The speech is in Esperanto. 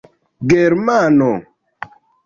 germano